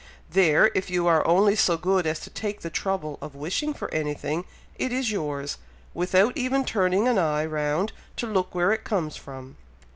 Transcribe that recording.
There, if you are only so good as to take the trouble of wishing for anything, it is yours, without even turning an eye round to look where it comes from.